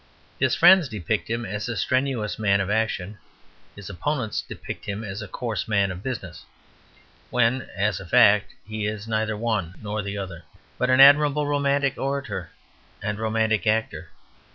His friends depict him as a strenuous man of action; his opponents depict him as a coarse man of business; when, as a fact, he is neither one nor the other, but an admirable romantic orator and romantic actor.